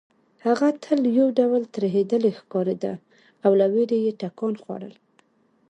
هغه تل یو ډول ترهېدلې ښکارېده او له وېرې یې ټکان خوړل